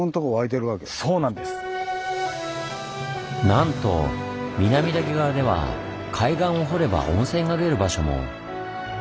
なんと南岳側では海岸を掘れば温泉が出る場所も。